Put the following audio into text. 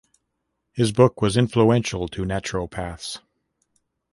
His book was influential to naturopaths.